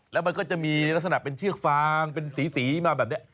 แล้วมันก็จะมีลักษณะเป็นเชือกฟางเป็นสีมาแบบนี้